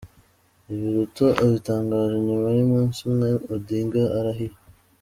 Ibi Ruto abitangaje nyuma y’ umunsi umwe Odinga arahiye.